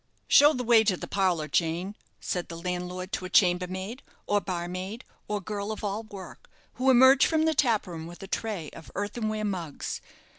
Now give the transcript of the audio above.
"Show the way to the parlour, Jane," said the landlord to a chambermaid, or barmaid, or girl of all work, who emerged from the tap room with a tray of earthenware mugs.